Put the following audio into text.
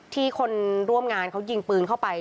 คนร่วมงานเขายิงปืนเข้าไป